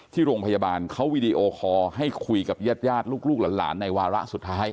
ที่โรงพยาบาลเขาวีดีโอคอร์ให้คุยกับญาติลูกหลานในวาระสุดท้าย